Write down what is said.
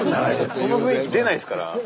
その雰囲気出ないですから。